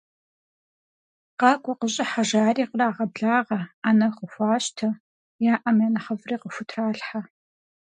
Къакӏуэ, къыщӏыхьэ!- жаӏэри кърагъэблагъэ, ӏэнэ къыхуащтэ, яӏэм и нэхъыфӏри къыхутралъхьэ.